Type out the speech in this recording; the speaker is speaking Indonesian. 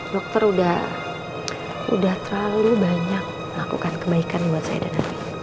dokter udah terlalu banyak lakukan kebaikan buat saya dan nanti